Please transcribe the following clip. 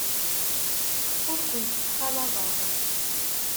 Ur kent-ttxalaḍeɣ.